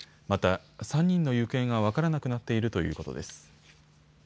また３人の行方が分からなくなっているということです。